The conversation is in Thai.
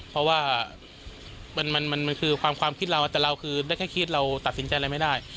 เพราะว่ามันคือความคิดเราแต่เราคือได้แค่คิดเราตัดสินใจอะไรไม่ได้